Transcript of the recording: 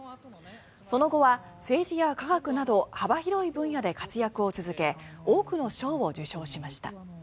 その後は政治や科学など幅広い分野で活躍を続け多くの賞を受賞しました。